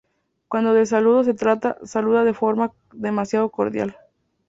Cuando de saludos se trata, saluda de forma demasiado cordial.